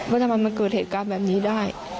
ว่าทำไมมาเกิดเหตุการณ์แบบนี้ได้